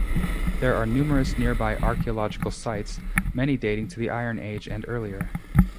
There are numerous nearby archaeological sites, many dating to the Iron Age and earlier.